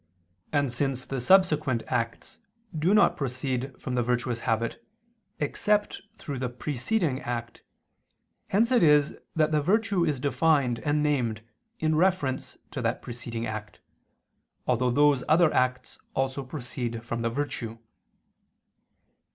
And since the subsequent acts do not proceed from the virtuous habit except through the preceding act, hence it is that the virtue is defined and named in reference to that preceding act, although those other acts also proceed from the virtue.